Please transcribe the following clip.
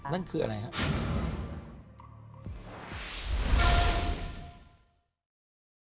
นั่นคืออะไรครับ